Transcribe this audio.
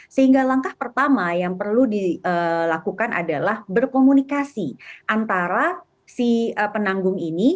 sehingga langkah pertama yang perlu dilakukan adalah berkomunikasi antara si penanggung ini